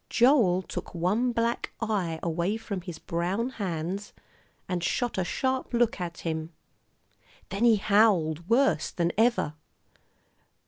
Joel took one black eye away from his brown hands, and shot a sharp look at him. Then he howled worse than ever.